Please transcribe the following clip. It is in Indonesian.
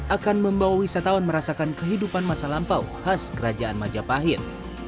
akan membawa wisatawan merasakan kehidupan masa lampau khas kerajaan majapahit